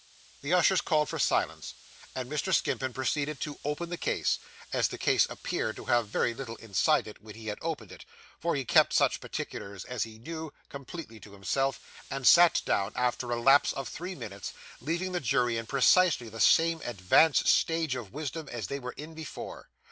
The ushers again called silence, and Mr. Skimpin proceeded to 'open the case'; and the case appeared to have very little inside it when he had opened it, for he kept such particulars as he knew, completely to himself, and sat down, after a lapse of three minutes, leaving the jury in precisely the same advanced stage of wisdom as they were in before.